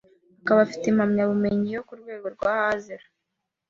akaba afite impamyabumenyi yo ku rwego rwa Azero